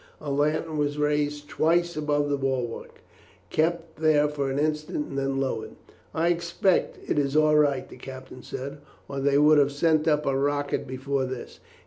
A lantern was raised twice above the bulwark, kept there for an instant, and then lowered. "I expect it is all right," the captain said, "or they would have sent up a rocket before this.